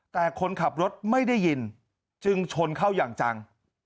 แต่คนขับรถไม่ได้ยินจึงชนเข้าอย่างจัง